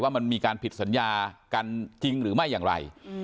มันมีการผิดสัญญากันจริงหรือไม่อย่างไร